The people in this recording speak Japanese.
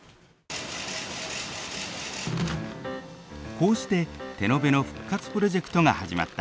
こうして手延べの復活プロジェクトが始まった。